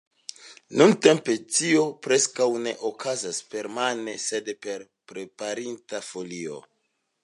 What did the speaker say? Nuntempe tio preskaŭ ne okazas permane, sed per preparita folio.